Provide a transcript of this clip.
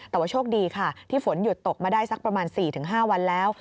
แต่ว่าโชคดีค่ะที่ฝนหยุดตกมาได้สักประมาณ๔๕วันแล้ว